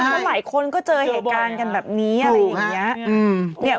มันหลายคนก็เจอแห่งการกันแบบนี้อะไรอย่างนี้